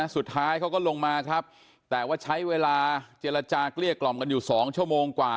สุดท้ายเขาก็ลงมาครับแต่ว่าใช้เวลาเจรจาเกลี้ยกล่อมกันอยู่๒ชั่วโมงกว่า